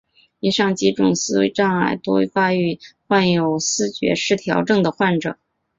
以上几种思维障碍多发于患有思觉失调症的患者。